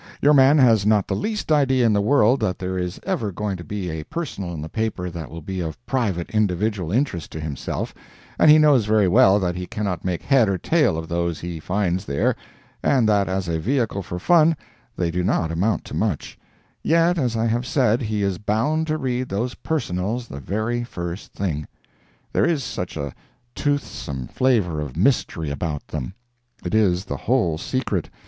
Your man has not the least idea in the world that there is ever going to be a Personal in the paper that will be of private individual interest to himself, and he knows very well that he cannot make head or tail of those he finds there, and that as a vehicle for fun they do not amount to much—yet, as I have said, he is bound to read those "Personals" the very first thing. There is such a toothsome flavor of mystery about them! It is the whole secret.